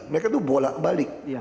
mereka itu bolak balik